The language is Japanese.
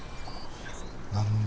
何だ？